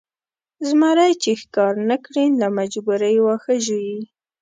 زمری چې ښکار نه کړي له مجبورۍ واښه ژوي.